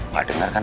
gak dengar kan